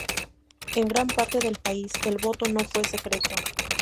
En gran parte del país, el voto no fue secreto.